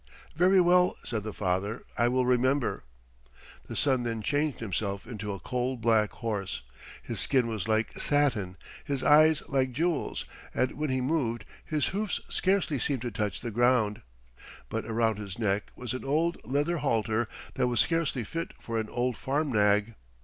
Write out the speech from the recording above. "Very well," said the father. "I will remember." The son then changed himself into a coal black horse. His skin was like satin, his eyes like jewels, and when he moved, his hoofs scarcely seemed to touch the ground. But around his neck was an old leather halter that was scarcely fit for an old farm nag.